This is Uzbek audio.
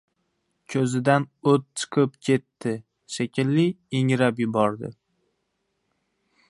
Koʻzidan oʻt chiqib ketdi, shekilli, ingrab yubordi.